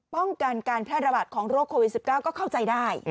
ป้องกันการแพร่ระบาดของโรคโควิด๑๙ก็เข้าใจได้